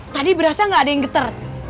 tadi berasa gak ada yang getar